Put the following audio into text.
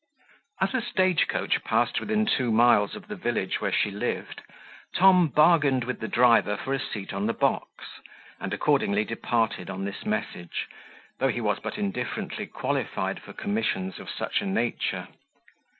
As a stage coach passed within two miles of the village where she lived, Tom bargained with the driver for a seat on the box, and accordingly departed on this message, though he was but indifferently qualified for commissions of such a nature.